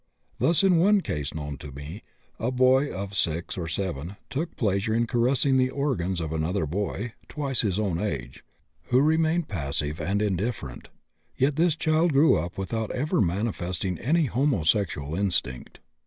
Thus, in one case known to me, a boy of 6 or 7 took pleasure in caressing the organs of another boy, twice his own age, who remained passive and indifferent; yet this child grew up without ever manifesting any homosexual instinct.